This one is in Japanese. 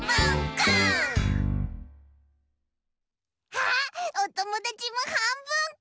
あっおともだちもはんぶんこ！